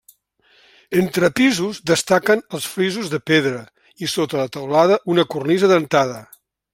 Entre pisos destaquen els frisos de pedra i, sota la teulada, una cornisa dentada.